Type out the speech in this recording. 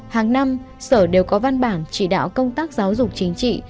hàng năm sở đều có văn bản chỉ đạo công tác giáo dục chính trị